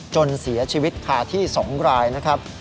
จนเสียชีวิตคาที่๒รายนะครับ